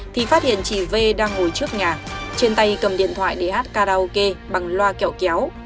thì phát hiện chị v đang ngồi trước nhà trên tay cầm điện thoại để hát karaoke bằng loa kẹo kéo